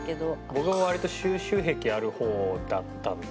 僕も割と収集癖ある方だったんで。